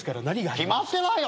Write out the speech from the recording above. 決まってないよ